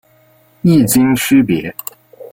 异腈区别。